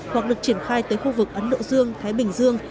hoặc được triển khai tới khu vực ấn độ dương thái bình dương